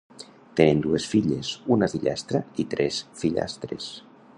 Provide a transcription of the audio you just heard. Tenen dues filles, una fillastra i tres fillastres.